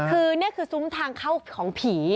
คือนี่คือซุ้มทางเข้าของผี